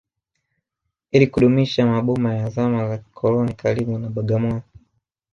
Ili kudumisha maboma ya zama za kikoloni karibu na Bagamoyo